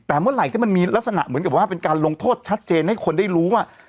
แต่เมื่อไหร่ที่มันมีลักษณะเหมือนกับว่าเป็นการลงโทษชัดเจนให้คนได้รู้ว่า